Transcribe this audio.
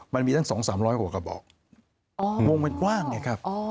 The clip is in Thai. มันมีตั้งสองสามร้อยหัวกระบอกอ๋อวงมันกว้างเนี่ยครับอ๋อ